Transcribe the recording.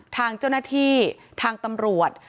ทางเจ้าหน้าที่ทางตำรวจ